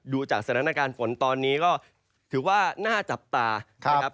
ดูจากสถานการณ์ฝนตอนนี้ก็ถือว่าน่าจับตานะครับ